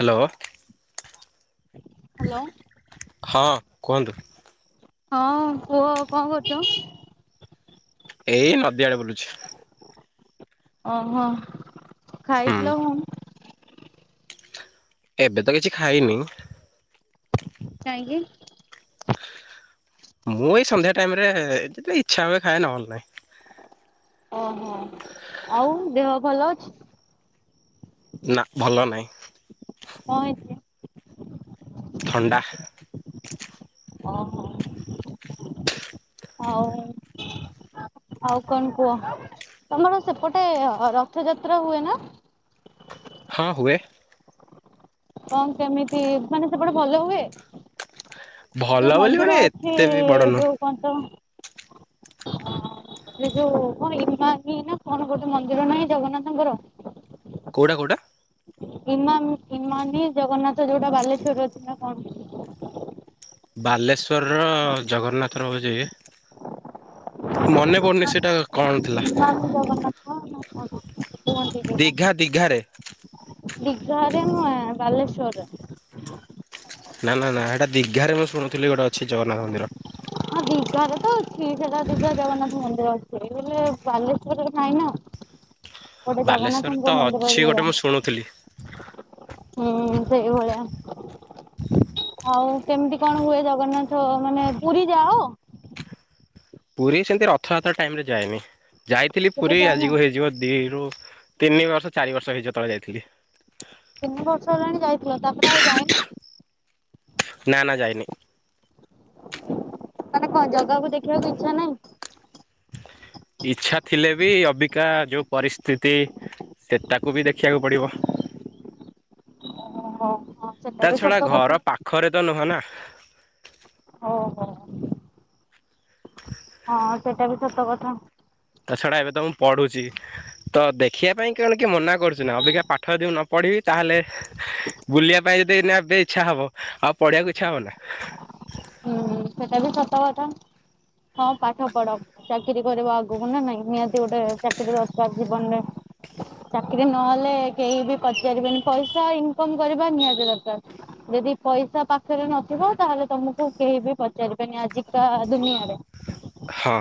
Hello. Hello. ହଁ କୁହନ୍ତୁ? ହଁ କୁହ କଣ କରୁଛ? ଏଇ ନଦୀ ଆଡେ ବୁଲୁଛି। ଓହୋ ହୁଁ ଖାଇଥିଲ କଁ? ଏବେ ତ କିଛି ଖାଇନି। କାହିଁକି? ମୁଁ ଏଇ ସନ୍ଧ୍ୟା ଟାଇମରେ ଇଚ୍ଛା ହୁଏ ଖାଏ ନହେଲେ ନାଇଁ। ଓହ। ଆଉ ଦେହ ଭଲ ଅଛି। ନା ଭଲ ନାହିଁ। କଣ ହେଇଛି? ଥଣ୍ଡା। ଓହୋ। ହଉ। ଆଉ କଣ କୁହ ତମର ସେପଟେ ରଥଯାତ୍ରା ହୁଏ ନା? ହଁ ହୁଏ। କଣ କେମିତି ମାନେ ସେପଟେ ଭଲ ହୁଏ? ଭଲ ଯୋଉ ବୋଲି ମାନେ ମନ୍ଦିର ଅଛି ଏତେ ବି ବଡ ନୁହଁ ଯୋଉ କଣ ତ ସେ ଯୋଉ କଣ ହି ନା କଣ ଗୋଟେ ମନ୍ଦିର ନାହିଁ ଜଗନ୍ନାଥଙ୍କର। କୋଉଟା କୋଉଟା? ଇମାମି ଇମାନି ଜଗନ୍ନାଥ ଯୋଉଟା ବାଲେଶ୍ୱରରେ ଅଛି। ବାଲେଶ୍ୱରର ଜଗନ୍ନାଥ ରହୁଛି। ମନେ ପଡ଼ୁନି ସେଟା କଣ ଥିଲା? ବାହାରକୁ ଜଗନ୍ନାଥ ନା କଣ କୁହନ୍ତି ଯୋଉଟା ଦୀଘା ଦୀଘାରେ। ଦିଘାରେ ନୁହେ ବାଲେଶ୍ଵରରେ। ନା ନା ନା ସେଇଟା ଦିଘାରେ ମୁଁ ଶୁଣୁଥିଲ ଗୋଟେ ଅଛି ଜଗନ୍ନାଥ ମନ୍ଦିର। ହଁ ଦିଘାରେ ତ ଅଛି ସେଟା ଦୀଘା ଜଗନ୍ନାଥ ମନ୍ଦିର ଅଛି ବୋଇ ବାଲେଶ୍ୱରରେ ନାଇଁ ନା ଗୋଟେ ବାଲେଶ୍ୱରରେ ଜଗନ୍ନାଥଙ୍କ ତ ମନ୍ଦିର ଅଛି ଭଳିଆ ଗୋଟେ ମୁଁ ଶୁଣୁଥିଲି। ହୁଁ ସେଇ ଭଳିଆ। ଆଉ କେମିତି କଣ ହୁଏ ଜଗନ୍ନାଥ ମାନେ ପୁରୀ ଯାଅ? ପୁରୀ ସେମିତି ରଥଯାତ୍ରା ଟାଇମରେ ଯାଏନି ଯାଇଥିଲି କେବେ ପୁରୀ ଯାଇନ? ଆଜି କ ହେଇଯିବ ଦିରୁ ତିନି ବର୍ଷ ଚାରି ବର୍ଷ ହେଇଯିବ ଯେତବେଳେ ଯାଇଥିଲି। ତିନି ବର୍ଷ ହେଲାଣି ଯାଇଥିଲ ତାପରେ ଆଉ ଯାଇନ। ନା ନା ଯାଇନି। ମାନେ କଣ ଜଗାକୁ ଦେଖିବାକୁ ଇଚ୍ଛା ନାହିଁ। ଇଚ୍ଛା ଥିଲେ ବି ଅବିକା ଯୋଉ ପରିସ୍ଥିତି ସେତାକୁ ବି ଦେଖିବାକୁ ପଡ଼ିବ। ଓହୋ ହଁ ସେଟା ବି ସତ କଥା। ଘରେ ତ ନୁହଁ ନା। ହଉ ହଉ। ହଁ ସେଇଟା ବି ସତ କଥା। ତା ଛଡା ଏବେ ତ ମୁଁ ପଢୁଛି। ତ ଦେଖିବା ପାଇଁ କେବଳ କି ମନା କରୁଛି ନା ଅବିକା ପାଠ ଯଦି ନ ପଢିବି ତାହେଲେ ବୁଲିବା ପାଇଁ ଯଦି ଏନା ଏବେ ଇଚ୍ଛା ହବ ଆଉ ପଢିବାକୁ ଇଚ୍ଛା ହବନା। ହୁଁ ସେଟା ବି ସତ କଥା ହଁ ପାଠ ପଢ ଚା ଚାକିରି କରିବା ଆଗକୁ ନା ନାଇଁ ନିହାତି ଗୋଟେ ଚାକିରୀ ଦରକାର ଜୀବନରେ। ଚାକିରି ନହେଲେ କେହି ବି ପଚାରିବେନି ପଇସା ଇନକମ କରିବା ନିହାତି ଦରକାର। ଯଦି ପଇସା ପାଖରେ ନଥିବ ତାହେଲେ ତମକୁ କେହି ବି ପଚାରି ବେନି ଆଜିିକା ଦୁନିଆରେ। ହଁ।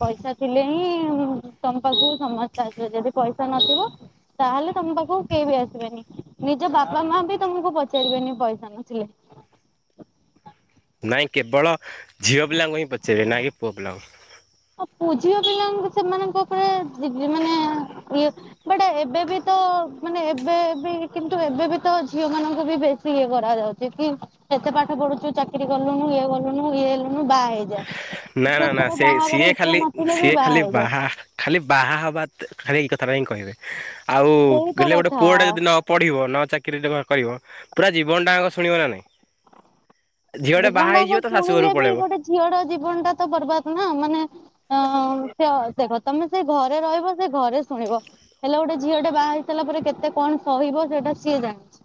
ପଇସା ଥିଲେ ହିଁ ତମ ପାଖକୁ ସମସ୍ତେ ଆସିବ ଯଦି ପଇସା ନଥିବ ତାହେଲେ ତମ ପାଖକୁ କେହି ବି ଆସିବେନି ନିଜ ବାପା ମା ବି ତମକୁ ପଚାରିବେନି ପଇସା ନଥିଲେ। ନାଇଁ କେବଳ ଝିଅ ପିଲାଙ୍କୁ ହିଁ ପଚାରିବେ ନାଇଁ କି ପୁଅ ପିଲାଙ୍କୁ। ଅ ପୁ ଝିଅ ପିଲାଙ୍କୁ ସେମାନଙ୍କ ଉପରେ [unintelligible] ମାନେ ଇଏ ବଟ ଏବେ ବି ତ ମାନେ ଏବେ ବି କିନ୍ତୁ ଏବେ ବି ତ ଝିଅ ମାନଙ୍କୁ ବି ବେଶୀ ଇଏ କରାଯାଉ ଦେଖି କେତେ ପାଠ ପଢୁଛୁ ଚାକିରି କଲୁନୁ ଇଏ ଗଲୁନୁ ଇଏ ହେଲୁ ବାହା ହେଇଯାଏ ନା ନା ନା ଝିଅଙ୍କର ସେ ବାହା ହବାର ସିଏ ଇଚ୍ଛା ଖାଲି ନଥିଲେ ସିଏ ବି ଖାଲି ହେଇଯା ବାହା ଖାଲି ବାହା ହେବା ଖାଲି ଏଇ କଥାଟି ହିଁ କହିବେ। ଆଉ ସେଇ ତ ଗଲେ ଗୋଟେ କଥା ପୁଅ ଟା ଯଦି ନ ପଢିବ ନ ଚାକିରି ଦବା କହିବ ପୁରା ଜୀବନ ଟାଙ୍କ ଶୁଣିବ ନା ନାଇଁ ଝିଅଟେ ବାହା ହେଇଯିବ ତ ଶାଶୁ ଘରରୁ ପଳେଇବ। ଝିଅଟ ଜୀବନ ଟା ତ ବର୍ବାଦ ନା ମାନେ ହ ସେ ଦେଖ ତମେ ସେ ଘରେ ରହିବ ସେ ଘରେ ଶୁଣିବ। ହେଲେ ଗୋଟେ ଝିଅଟେ ବାହା ହେଇସାଇଲା ପରେ କେତେ କଣ ସହିବ ସେଇଟା ସିଏ ଜାଣିଛି।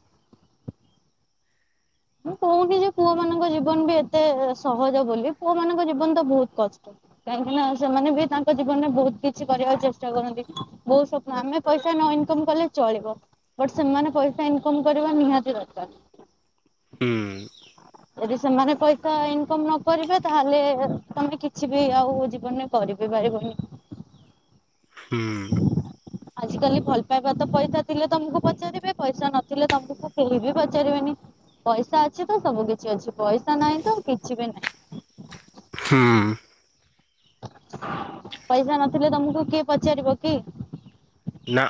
ମୁଁ କହୁନି ଯେ ପୁଅ ମାନଙ୍କ ଜୀବନ ବି ଏତେ ସହଜ ବୋଲି ପୁଅ ମାନଙ୍କ ଜୀବନ ତ ବହୁତ କଷ୍ଟ। କାହିଁକିନା ସେମାନେ ବି ତାଙ୍କ ଜୀବନରେ ବହୁତ କିଛି କରିବାକୁ ଚେଷ୍ଟା କରନ୍ତି ବହୁତ ସ ଆମେ ପଇସା ନ ଇନକମ କଲେ ଚଳିବ ବଟ ସେମାନେ ପଇସା ଇନକମ କରିବା ନିହାତି ଦରକାର। ହୁଁ। ଯଦି ସେମାନେ ପଇସା ଇନକମ ନ କରିବେ ତାହେଲେ ତମେ କିଛି ବି ଆଉ ଜୀବନରେ କରିିବି ପାରିବନି। ହୁଁ। ଆଜ କାଲି ଭଲ ପାଇବା ତ ପଇସା ଥିଲେ ତମକୁ ପଚାରିବେ ପଇସା ନଥିଲେ ତମକୁ କେହି ବି ପଚାରିବେନି। ପଇସା ଅଛି ତ ସବୁ କିଛି ଅଛି ପଇସା ନାହିଁ ତ କିଛି ବି ନାହିଁ। ହୁଁ। ପଇସା ନଥିଲେ ତମକୁ କିଏ ପଚାରିବ କି? ନା।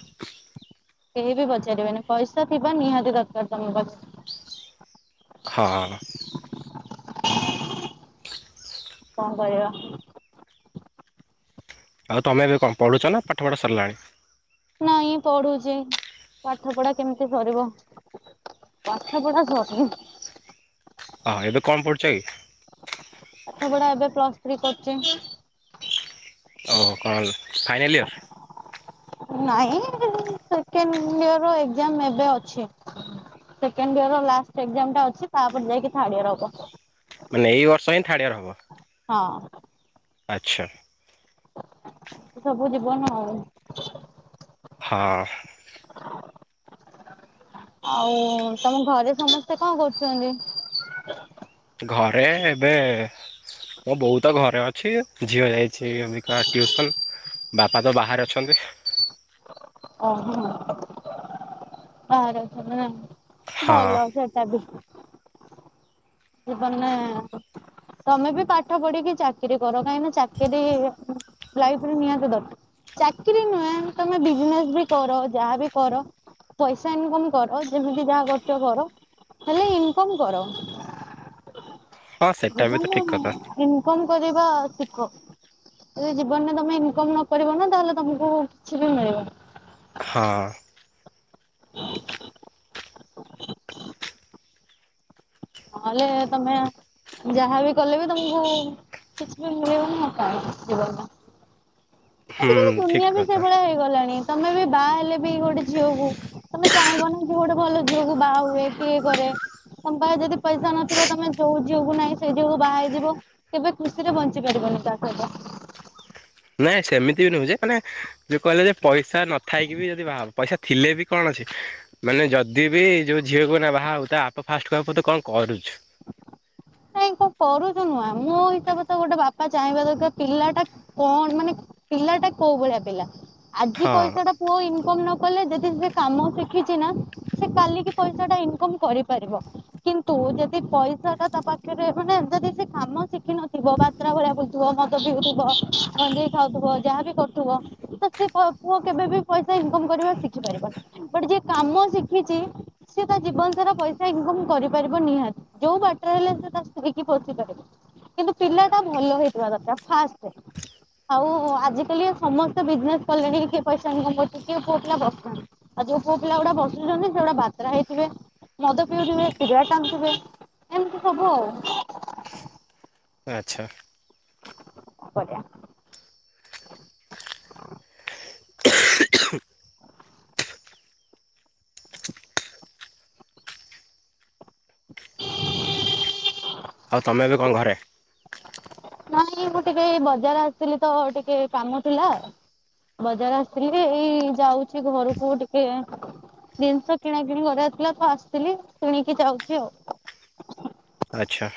କେହି ବି ପଚାରିବେନି ପଇସା ଥିବା ନିହାତି ଦରକାର ତମ ପାଖରେ ହଁ ହଁ। କଣ କରିବା? ଆଉ ତମେ ଏବେ କଣ ପଢୁଛ ନା ପାଠ ପଢା ସାରିଲାଣି? ନାଇଁ ପଢୁଛି ପାଠ ପଢା କେମିତି ସରିବ। ପାଠପଢା ସରିନି। ହଁ ଏବେ କଣ ପଡୁଛ କି? ପାଠ ପଢା ଏବେ ପ୍ଲସ ଥ୍ରୀ କରୁଚି। ଓହୋ କଲ ଫାଇନାଲ ଇୟର? ନାଇଁ ସେକେଣ୍ଡ ଇଅର ଏଜାମ ଏବେ ଅଛି। ସେକେଣ୍ଡ ଇୟର ର ଲାଷ୍ଟ ଏକ୍ଜାମ ଟା ଅଛି, ତାପରେ ଯାଇକି ଥାର୍ଡ ଇୟର ହବ। ମାନେ ଏଇ ବର୍ଷ ହିଁ ଥାର୍ଡ଼ ଇୟର ହବ। ହଁ। ଆଚ୍ଛା। ସବୁ ଯିବନ ଆଉ। ହଁ। [unintelligible] ଆଉ ତମ ଘରେ ସମସ୍ତେ କଣ କରୁଛନ୍ତି? ଘରେ ଏବେ ମୋ ବଉତ ଘରେ ଅଛି, ଝିଅ ଯାଇଛି ଅଭିକା ଟ୍ୟୁସନ। ବାପା ତ ବାହାରେ ଅଛନ୍ତି। ଓ ହୋ, ବାହାରେ ଆଛନ୍ତି ନା। ହଁ ଭଲ ସେଟା ବି। ଜୀବନେ ତମେ ବି ପାଠ ପଢିକି ଚାକିରି କର, କାହିଁକିନା ଚାକିରୀ ଲାଇଫରେ ନିହାତି ଦରକାର। ଚାକିରୀ ନୁହେଁ ତମେ ବିଜନେସ ବି କର, ଯାହାବି କର। ପଇସା ଇନକମ କର, ଯେମିତି ଯାହା କରୁଛ କର, ହେଲେ ଇନକମ କର। ହଁ ସେଟା ବି ତ ଠିକ ଜୀବନରେ କଥା ଇନକମ କରିବା ଶିଖ। ଯଦି ଜୀବନରେ ତମେ ଇନକମ୍ ନ କରିବ ନା ତାହେଲେ ତମକୁ କିଛି ବି ମିଳିବନି। ହଁ। ନହେଲେ ତମେ ଯାହାବି କଲେ ବି ତମକୁ କିଛି ବି ମିଳିବନି ଆଉ କଣ ଜୀବନ ଟା। ହୁଁ ଆଜ କାଲି ଠିକ ଦୁନିଆ ବି କଥା ସେଇଭଳିଆ ହେଇଗଲାଣି, ତମେ ବି ବାହା ହେଲେ ବି ଗୋଟେ ଝିଅକୁ ତମେ ଚାହିଁବନୀ କି ଗୋଟେ ଭଲ ଝିଅକୁ ବାହା ହୁଏ, କିଏ କରେ, ତମ ପାଖରେ ଯଦି ପଇସା ନଥିବ, ତମେ ଯୋଉ ଝିଅକୁ ନାହିଁ ସେଇ ଝିଅକୁ ବା ହେଇଯିବ କେବେ ଖୁସିରେ ବଞ୍ଚି ପାରିବନି ତା ସହିତ। ନାଇଁ ସେମିତି ବି ନୁହେଁ ଯେ ମାନେ ଯୋଉ କହିଲ ଯେ ପଇସା ନଥାଇକି ବି ଯଦି ବାହାହବ, ପଇସା ଥିଲେ ବି କଣ ଅଛି ମାନେ ଯଦି ବି ଯୋଉ ଝିଅକୁ ଏଇନା ବାହା ହବୁ ତା ବାପା ଫାଷ୍ଟ କ ତୁ କଣ କରୁଛୁ? ନାଇଁ କଣ କରୁଛୁ ନୁହଁ, ମୋ ହିସାବରେ ତ ଗୋଟେ ବାପା ଚାହିଁବା ଦରକାର ପିଲା ଟା କଣ ମାନେ ପିଲାଟା କୋଉ ଭଳିଆ ପିଲା, ଆଜି ହଁ ପଇସା ଟା ପୁଅ ଇନକମ୍ ନ କଲେ ଯଦି ସେ କାମ ଶିଖିଛି ନା ସେ କାଲିକି ପଇସା ଟା ଇନକମ୍ କରିପାରିବ। କିନ୍ତୁ ଯଦି ପଇସା ଟା ତା ପାଖରେ ମାନେ ଯଦି ସେ କାମ ଶିଖିିନଥିବ ବାତ୍ରା ଭଳିଆ ବୁଲ ଥୁବ, ମଦ ପିଉଥିବ, ଗଞ୍ଜେଇ ଖାଉଥିବ, ଯାହାବି କରୁଥିବ ତ ସେ ପୁଅ କେବେ ବି ପଇସା ଇନକମ କରିବା ଶିଖି ପାରିବନି, ବଟ ଯିଏ କାମ ଶିଖିଛି ସେ ତା ଜୀବନ ସାରା ପଇସା ଇନକମ୍ କରିପାରିବ ନିହାତି। ଯୋଉ ବାଟରେ ହେଲେ ସେ ତା ସ୍ତ୍ରୀ କି ପୋଷି ପାରିବ। କିନ୍ତୁ ପିଲାଟା ଭଲ ହେଇଥିବା ଦରକାର ଫାଷ୍ଟ। ଆଉ ଆଜିକାଲି ସମସ୍ତେ ବିଜନେସ କଲେଣିି, କିଏ ପଇସା ଇନକମ କରୁଚି, କିଏ ପୁଅ ପିଲା ବସୁ ନାନ୍ତୀ। ଆଉ ଯୋଉ ପୁଅ ପିଲା ଗୁଡା ବସୁଚନ୍ତି ସେ ଗୁଡା ବାତ୍ରା ହେଇଥିବେ, ମଦ ପିଉଥିବେ, ସିଗରେଟ୍ ଟାନ୍ ଥିବେ। ଏମିତି ସବୁ ଆଉ। ଆଚ୍ଛା। କ କରିଆ। [unintelligible] ଆଉ ତମେ ଏବେ କଣ ଘରେ? ନାଇଁ ମୁଁ ଟିକେ ଏଇ ବଜାର ଆସିଥିଲି ତ ଟିକେ କାମ ଥିଲା। ବଜାର ଆସିଥିଲି, ଏଇ ଯାଉଛି ଘରକୁ ଟିକେ। ଜିନିଷ କିଣା କିିଣି କରିବାର ଥିଲା ତ ଆସିଥିଲି କିଣିକି ଯାଉଚି ଆଉ। ଆଚ୍ଛା।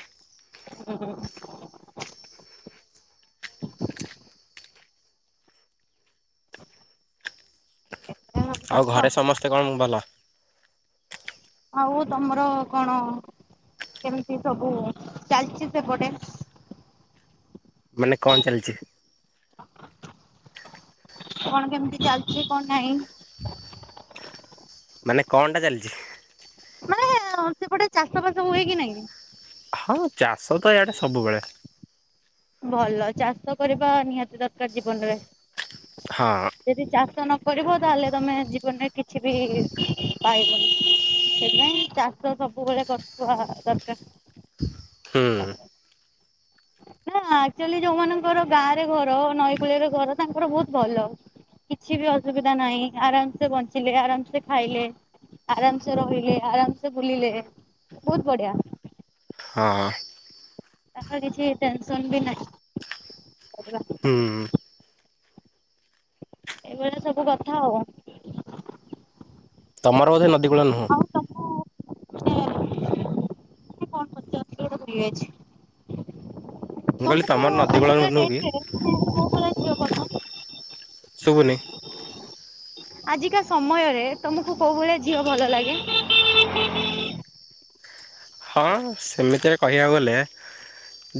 ହୁଁ। ଏୟା ସବୁ ଆଉ କଥା ଘରେ ସମସ୍ତେ କଣ ଭଲ? ଆଉ ତମର କଣ କେମିତି ସବୁ ଚାଲିଚି ସେପଟେ। ମାନେ କଣ ଚାଲିଚି। କଣ କେମିତି ଚାଲିଚି କଣ ନାଇଁ। ମାନେ କଣଟା ଚାଲିଛି। ମାନେ ସେପଟେ ଚାଷ ବାସ ହୁଏ କି ନାଇଁ? ହଁ ଚାଷ ତ ଏଆଡ଼େ ସବୁବେଳେ। ଭଲ ଚାଷ କରିବା ନିହାତି ଦରକାର ଜୀବନରେ। ହଁ। ଯଦି ଚାଷ ନ କରିବ ତାହେଲେ ତମେ ଜୀବନରେ କିଛି ବି ପାଇବନି। ସେଥପାଇଁ ଚାଷ ସବୁବେଳେ କରୁଥିବା ଦରକାର। ହୁଁ। [unintelligible] [unintelligible] ଆକ୍ଚୋଲି ଯୋଉ ମାନଙ୍କର ଗାଁ ରେ ଘର ନଈ କୂଳିଆ ରେ ଘର ତାଙ୍କର ବୋହୁତ ଭଲ। କିଛି ବି ଅସୁବିଧା ନାଇଁ ଆରାମସେ ବଞ୍ଚିଲେ ଆରାମସେ ଖାଇଲେ। ଆରାମସେ ରହିଲେ ଆରାମସେ ବୁଲିଲେ ବୋହୁତ ବଢିଆ। ହଁ। ତାଙ୍କର କିଛି ଟେନସନ୍ ବି ନାଇଁ। ହୁଁ ଏଇ ଭଳିଆ ସବୁ କଥା ଆଉ। ତମର ବୋଧେ ନଦୀ କୂଳ ନୁହୁଁ। ଆଉ ତମକୁ ମାନେ ମୁଁ କଣ [unintelligible] ମୁଁ କହିଲି ତମକୁ ତମର ନଦୀ କୂଳ ଆଜିକା ନୁ ନୁହୁଁ କି? ଡେଟରେ ମାନେ କୋଉ ଭଳିଆ ଝିଅ ପସନ୍ଦ? ଶୁବୁନି। ଆଜିକା ସମୟରେ ତମୁକୁ କୋଉ ଭଳିଆ ଝିଅ ଭଲ ଲାଗେ। ହଁ ସେମିତିରେ କହିବାକୁ ଗଲେ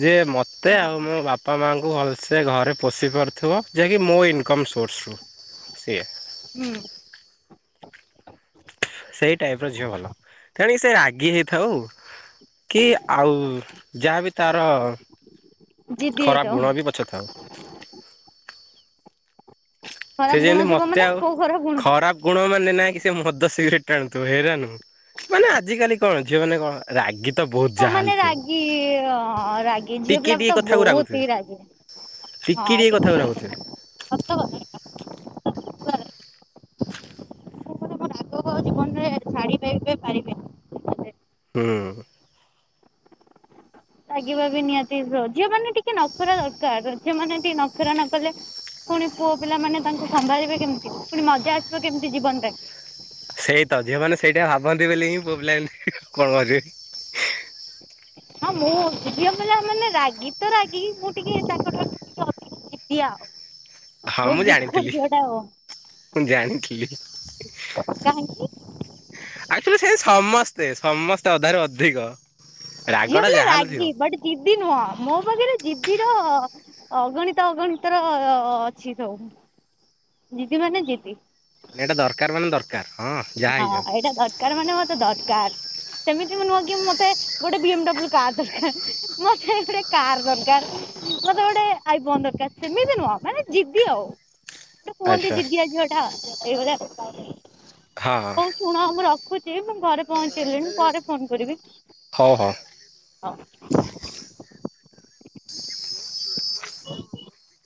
ଯିଏ ମତେ ଆଉ ମୋ ବା ପା ମାଆଙ୍କୁ ଭଲସେ ଘରେ ପୋଷି ପାରୁଥୁବ ଯିଏ କି ମୋ ଇନକମ୍ ସୋର୍ସରୁୁ ସିଏ। ହୁଁ। ସେଇ ଟାଇପ ର ଝିଅ ଭଲ ତେଣିକି ସିଏ ରାଗି ହେଇଥାଉ। କି ଆଉ ଯାହାବି ତାର ଜିଦି ଖରାପ ହେଇଥାଉ। ଗୁଣ ବି ପଛେ ଥାଉ। ସେ ଖରାପ ଗୁଣ ଯେନ୍ତି ଥିବ ମତେ ମାନେ ଆଉ କୋଉ ଗୁଣ? ଖରାପ ଗୁଣ ମାନେ ନାଁ କି ସିଏ ମଦ ସିଗ୍ରେଟ ଟାଣୁଥୁବ ହେରା ନୁହୁଁ ମାନେ ଆଜିକାଲି କଣ ଝିଅମାନେ କଣ ରାଗି ତ ବୋହୁତ ହଁ ଜାହା ମାନେ ହେଲେ ରାଗି ଥିବ ରାଗି ଝିଅ ଟିକିଏ ପିଲା ଟିକେ ତ କଥାକୁ ବହୁତ ରାଗୁଥିବେ। ହି ରାଗି। ଟିକିଏ ହଁ ଟିକେ କଥାକୁ ରାଗୁଥିବେ। କଥା ସତ କଥା ଏଇଟା। ପୁରା ରାଗି ଆଗକୁ ଆଉ ଜୀବନରେ ଛାଡ଼ି [unintelligible] ହୁଁ। ରାଗିବାବି ନିହାତି ଝିଅ ମାନେ ଟିକେ ନଖରା ଦରକାର ଝିଅ ମାନେ ଟିକେ ନଖରା ନ କଲେ। ଫୁଣି ପୁଅ ପିଲାମାନେ ତାଙ୍କୁ ସମ୍ଭାଳିବେ କେମିତି ଫୁଣି ମଜା ଆସିବ କେମିତି ଜୀବନ [unintelligible] ସେଇ ତ ଝିଅ ମାନେ ସେଇଟା ଭାବନ୍ତି ବେଲି ହିଁ ପୁଅ ପିଲା ଏମିତି [unintelligible] ହଁ ମୁଁ ଝିଅ ପିଲା ମାନେ ରାଗି ତ ରାଗି ମୁଁ ଟିକେ ତାଙ୍କ ଠାରୁ ଟିକେ ଅଧି ଜିଦିଆ ହଁ ମୁଁ ବୋହୁତ ଜିଦଖୋର ଜାଣିଥିଲି ଝିଅଟା ଆଉ। ମୁଁ ଜାଣିଥିଲି କାହିଁକି। [unintelligible] ସେ ସମସ୍ତେ ସମସ୍ତେ ଅଧାରୁ ଅଧିକ। ରାଗଟା ଝିଅପିଲା ଯାହାହେଲେ ଥିବ ରାଗି ବଟ୍ ଜିଦି ନୁହଁ ମୋ ପାଖେରେ ଜିଦିର। ଅଗଣିତ ଅଗଣିତ ର ଅଛି ସବୁ ଜିଦି ମାନେ ଜିଦି। ମାନେ ଏଇଟା ଦରକାର ମାନେ ଦର କାର ହଁ। ଯାହା ହଁ ହେଇଯାଉ ଏଇଟା ଦରକାର ମାନେ ମତେ ଦରକାର। ସେମିତି ନୁହଁ କି ମତେ ଗୋଟେ ବି ଏଡ୍ଲ୍ୟୁ କାର୍ ଦରକାର। ମତେ ଗୋଟେ କାର ଦରକାର। ମୋତେ ଗୋଟେ ଆଇ ଫୋନ ଦରକାର ସେମିତି ନୁହଁ ମାନେ ଯିଦି ଆଉ। କୁହନ୍ତି ଆଚ୍ଛା ଯିିଦିଆ ଝିଅ ଟା ସେଇଭଳିଆ। ହଁ। ଶୁଣ ମୁଁ ରଖୁଛି ମୁଁ ଘରେ ପହଞ୍ଚିଲିଣି ପରେ ଫୋନ କରିବି। ହଉ ହଉ। ହଁ। ହଁ।